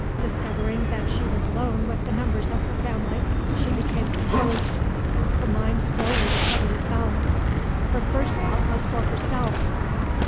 Discovering that she was alone with the members of her family, she became composed: her mind slowly recovered its balance. Her first thought was for herself.